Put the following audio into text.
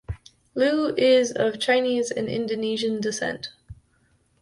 Liu is of Chinese and Indonesian descent.